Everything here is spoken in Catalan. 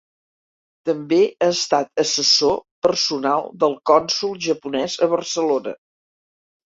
També ha estat assessor personal del cònsol japonès a Barcelona.